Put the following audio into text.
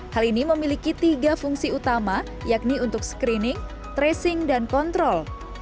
hal ini memiliki tiga fungsi utama yakni untuk screening tracing dan kontrol